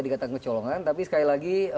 dikatakan kecolongan tapi sekali lagi